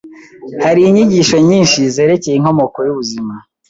Hariho inyigisho nyinshi zerekeye inkomoko yubuzima.